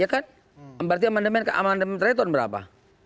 ya kan berarti amandemen ke amandemen terakhir tahun berapa